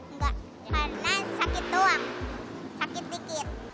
enggak karena sakit doang sakit dikit